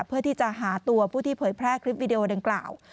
เพื่อที่จะหาตัวผู้ที่เผยแพร่คลิปวิดีโอดังกล่าว